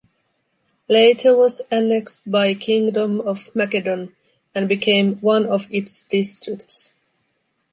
Later was annexed by kingdom of Macedon and became one of its districts.